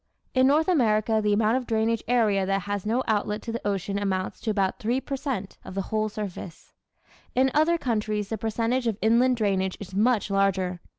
In North America the amount of drainage area that has no outlet to the ocean amounts to about 3 per cent. of the whole surface. In other countries the percentage of inland drainage is much larger.